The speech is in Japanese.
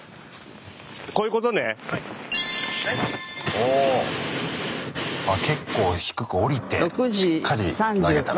おお結構低く降りてしっかり投げたね。